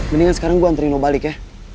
mendingan sekarang gue anterin lo balik ya